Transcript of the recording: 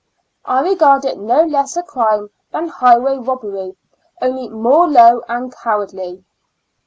I regard it no less a crime than highway robbery, only more low and cowardly.